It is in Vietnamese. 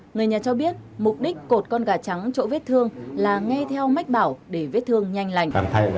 người nhà cho biết mục đích cột con gà trắng chỗ vết thương là nghe theo mách bảo để vết thương nhanh lành